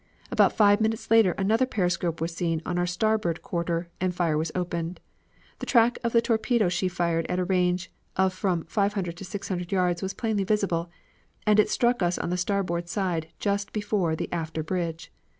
About five minutes later another periscope was seen on our starboard quarter, and fire was opened. The track of the torpedo she fired at a range of from 500 to 600 yards was plainly visible, and it struck us on the starboard side just before the after bridge.